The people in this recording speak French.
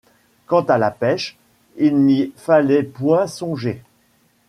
Quant à la pêche, il n’y fallait point songer.